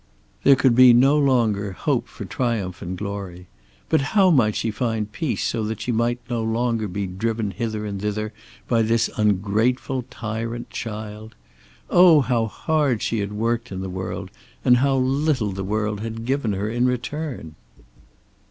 There could be no longer hope for triumph and glory; but how might she find peace so that she might no longer be driven hither and thither by this ungrateful tyrant child? Oh, how hard she had worked in the world, and how little the world had given her in return!